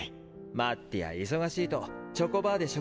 マッティア忙しいとチョコバーで食事を済ませるから。